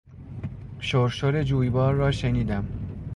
شرشر جویبار را شنیدم.